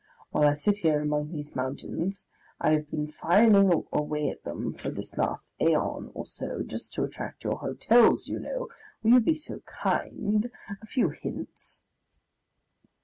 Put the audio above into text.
While I sit here among these mountains I have been filing away at them for this last aeon or so, just to attract your hotels, you know will you be so kind ? A few hints